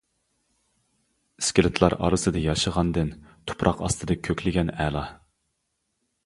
ئىسكىلىتلار ئارىسىدا ياشىغاندىن تۇپراق ئاستىدا كۆكلىگەن ئەلا.